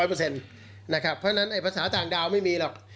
เพราะฉะนั้นภาษาต่างดาวไม่มีหรอก